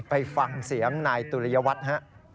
ไปฟังเสียงนายตุลยวัฒน์